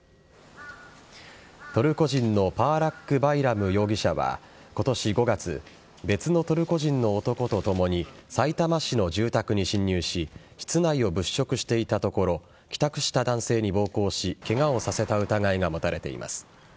トルコ人のパーラック・バイラム容疑者は今年５月別のトルコ人の男とともにさいたま市の住宅に侵入し室内を物色していたところ帰宅した男性に暴行しケガをさせた疑いが持たれています。